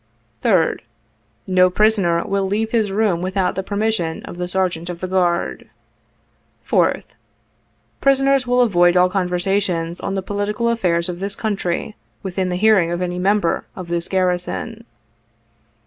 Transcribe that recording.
<< 3d. — No prisoner will leave his room without the permission of the Sergeant of the Guard. " 4th. — Prisoners will avoid all conversations on the political affairs of this country, within the hearing of any member* of this garrison.